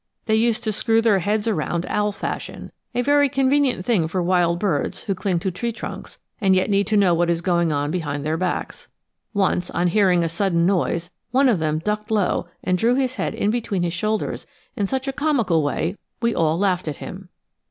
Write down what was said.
They used to screw their heads around owl fashion, a very convenient thing for wild birds who cling to tree trunks and yet need to know what is going on behind their backs. Once, on hearing a sudden noise, one of them ducked low and drew his head in between his shoulders in such a comical way we all laughed at him.